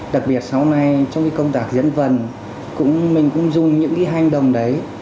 đặc biệt sau này trong cái công tác diễn vần mình cũng dùng những cái hành động đấy